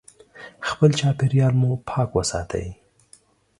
خپل چاپیریال مو پاک وساتئ.